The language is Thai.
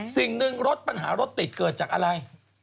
สิ่งหนึ่งรถปัญหารถติดเกิดจากอะไร